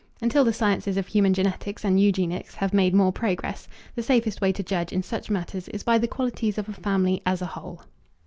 Until the sciences of human genetics and eugenics have made more progress, the safest way to judge in such matters is by the qualities of a family as a whole.